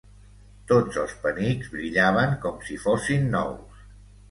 Tots els penics brillaven com si fossin nous.